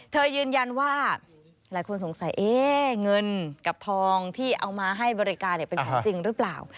ยืนยันว่าหลายคนสงสัยเงินกับทองที่เอามาให้บริการเป็นของจริงหรือเปล่า